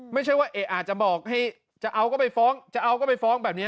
ไม่ใช่ว่าอาจจะบอกให้จะเอาก็ไปฟ้องจะเอาก็ไปฟ้องแบบนี้